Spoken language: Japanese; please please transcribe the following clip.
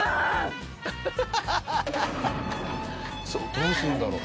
どうするんだろう？